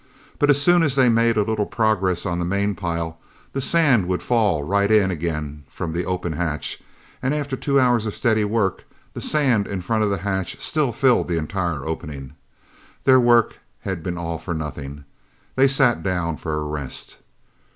But as soon as they made a little progress on the main pile, the sand would fall right in again from the open hatch, and after two hours of steady work, the sand in front of the hatch still filled the entire opening. Their work had been all for nothing. They sat down for a rest.